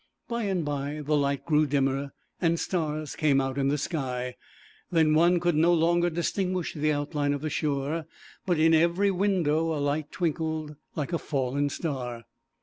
By and by the light grew dimmer and stars came out in the sky; then one could no longer distinguish the outline of the shore, but in every window a light twinkled, like a fallen star.